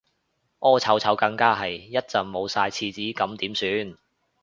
屙臭臭更加係，一陣冇晒廁紙咁點算